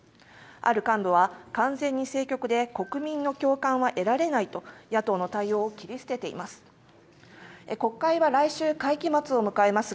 ある幹部は完全に政局で国民の共感は得られないと野党の対応を切り捨てています。